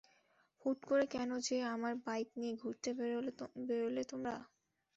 হুট করে কেন যে আমার বাইক নিয়ে ঘুরতে বেরোলে তোমরা!